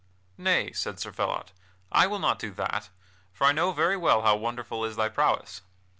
"Nay," said Sir Phelot, "I will not do that, for I know very well how wonderful is thy prowess.